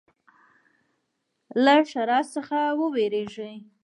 له ښرا څخه ویریږي.